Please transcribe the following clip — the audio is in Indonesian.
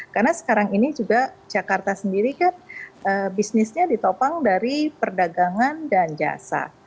karena sekarang ini juga jakarta sendiri kan bisnisnya ditopang dari perdagangan dan jasa